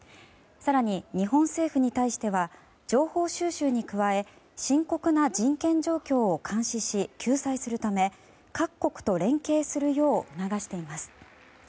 更に、日本政府に対しては情報収集に加え深刻な人権状況を監視し救済するため各国と連携するよう促しています。